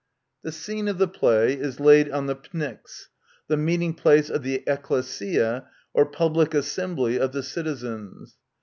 The scene of the play is laid on the Pnyx, the meeting place of the " ecclesia," or public assembly of the citizens.